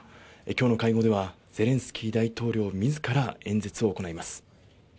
今日の会合ではゼレンスキー大統領自ら演説を行います。